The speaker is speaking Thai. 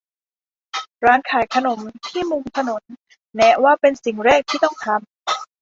ร้านขายขนมที่มุมถนน แนะว่าเป็นสิ่งแรกที่ต้องทำ